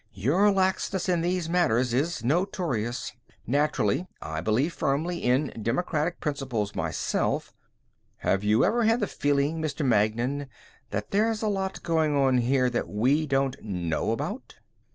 "Your laxness in these matters is notorious. Naturally, I believe firmly in democratic principles myself " "Have you ever had a feeling, Mr. Magnan, that there's a lot going on here that we don't know about?"